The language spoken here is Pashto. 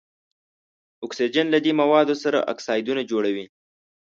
اکسیجن له دې موادو سره اکسایدونه جوړوي.